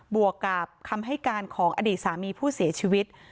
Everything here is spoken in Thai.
วกกับคำให้การของอดีตสามีผู้เสียชีวิต